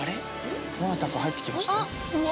どなたか入ってきましたようわ！